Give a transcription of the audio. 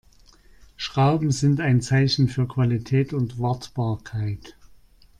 Schrauben sind ein Zeichen für Qualität und Wartbarkeit.